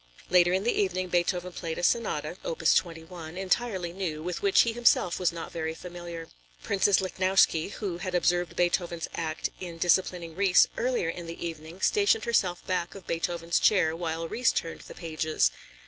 Later in the evening Beethoven played a sonata (opus 21), entirely new, with which he himself was not very familiar. Princess Lichnowsky, who had observed Beethoven's act in disciplining Ries earlier in the evening, stationed herself back of Beethoven's chair, while Ries turned the pages.